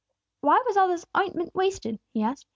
"Why was all this ointment wasted?" he asked.